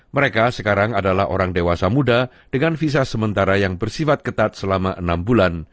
mereka sekarang adalah orang dewasa muda dengan visa sementara yang bersifat ketat selama enam bulan